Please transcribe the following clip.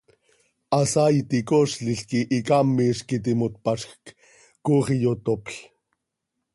Hasaaiti coozlil quih hicaamiz quih iti himo tpazjc, coox iyotopl.